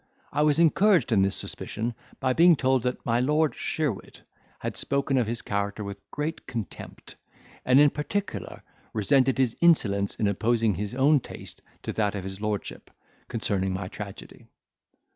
I was encouraged in this suspicion by being told that my Lord Sheerwit had spoken of his character with great contempt: and, in particular, resented his insolence in opposing his own taste to that of his lordship, concerning my tragedy.